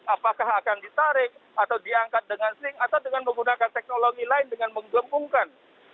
apakah akan ditarik atau diangkat dengan sling atau dengan menggunakan teknologi lain dengan menggembungkan